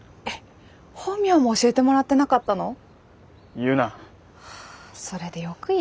言うな！